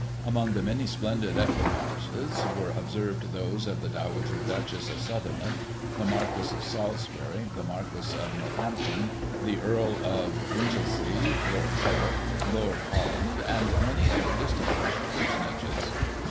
Among the many splendid equipages were observed those of the Dowager Duchess of Sutherland, the Marquis of Salisbury, the Marquis of Northampton, the Earl of Winchil sea, Lord Howick, Lord Holland, and many other distin guished personages.